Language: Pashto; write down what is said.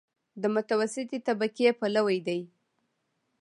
د متوسطې طبقې پلوی دی.